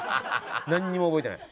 なんにも覚えてない。